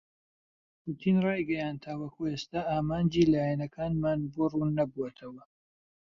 پوتین رایگەیاند تاوەکو ئێستا ئامانجی لایەنەکانمان بۆ رووننەبووەتەوە.